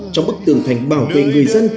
trong bức tường thành bảo vệ người dân